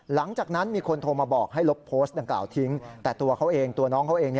หลังจากนั้นมีคนโทรมาบอกให้ลบโพสต์ดังกล่าวทิ้งแต่ตัวเขาเองตัวน้องเขาเอง